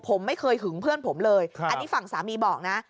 ผมไม่เคยหึงเพื่อนผมเลยอันนี้ฝั่งสามีบอกนะ